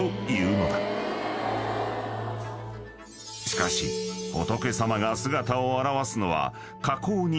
［しかし仏様が姿を現すのは］